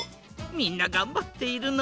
みんながんばっているのう。